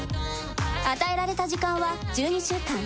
与えられた時間は１２週間。